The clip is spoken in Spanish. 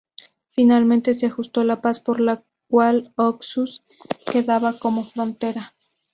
Finalmente se ajustó la paz por la cual Oxus quedaba como frontera.